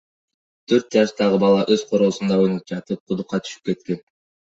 Төрт жаштагы бала өз короосунда ойноп жатып кудукка түшүп кеткен.